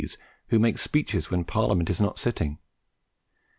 s who make speeches when Parliament is not sitting.